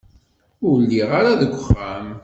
Ur lliɣ ara deg uxxam.